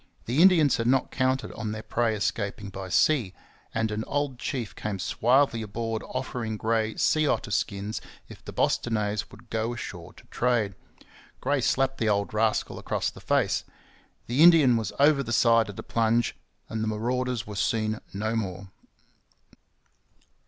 The Indians had not counted on their prey escaping by sea, and an old chief came suavely aboard offering Gray sea otter skins if the 'Bostonnais' would go ashore to trade. Gray slapped the old rascal across the face; the Indian was over the side at a plunge, and the marauders were seen no more.